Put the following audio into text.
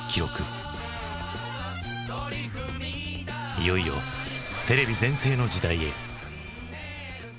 いよいよテレビ全盛の時代へ。